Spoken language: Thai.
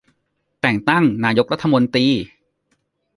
แต่งตั้งนายกรัฐมนตรี